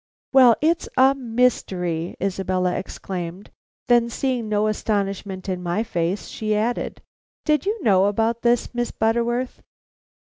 "Well, it's a mystery!" Isabella exclaimed. Then seeing no astonishment in my face, she added: "Did you know about this, Miss Butterworth?"